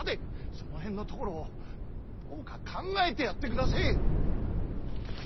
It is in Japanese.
その辺のところをどうか考えてやってくだせえ。